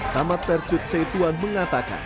camat percut setuan mengatakan